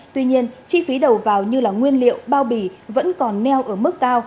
tuy nhiên chi phí đầu vào như là nguyên liệu bao bì vẫn còn neo ở mức cao